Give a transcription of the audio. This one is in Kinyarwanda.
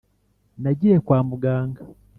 nagiye kwa muganga-